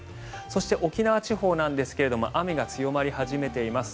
そして、沖縄地方なんですが雨が強まり始めています。